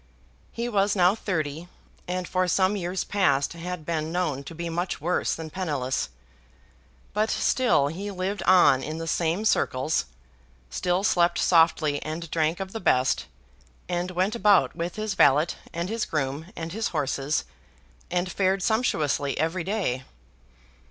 He was now thirty, and for some years past had been known to be much worse than penniless; but still he lived on in the same circles, still slept softly and drank of the best, and went about with his valet and his groom and his horses, and fared sumptuously every day.